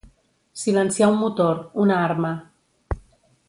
Silenciar un motor, una arma.